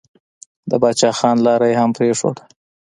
د پاچا خان لاره يې هم پرېښوده.